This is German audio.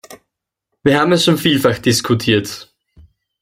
Wir haben es schon vielfach diskutiert.